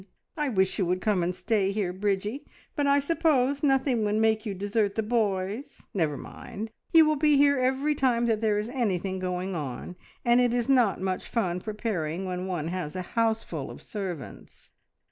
I wish you could come and stay here, Bridgie, but I suppose nothing would make you desert the boys. Never mind, you will be here every time that there is anything going on, and it is not much fun preparing when one has a houseful of servants.